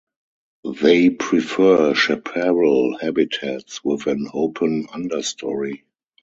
They prefer chaparral habitats with an open understory.